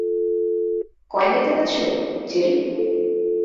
Coin দেখতে পাচ্ছো, Jerry?